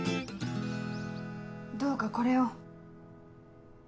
どうかこれを。